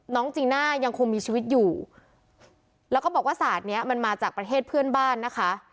จีน่ายังคงมีชีวิตอยู่แล้วก็บอกว่าศาสตร์เนี้ยมันมาจากประเทศเพื่อนบ้านนะคะ